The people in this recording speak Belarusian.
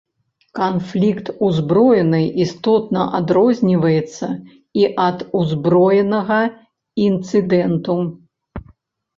Канфлікт ўзброены істотна адрозніваецца і ад узброенага інцыдэнту.